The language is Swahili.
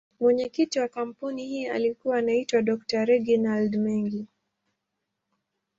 Mwenyekiti wa kampuni hii alikuwa anaitwa Dr.Reginald Mengi.